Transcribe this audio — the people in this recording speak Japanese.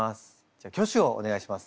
じゃあ挙手をお願いします。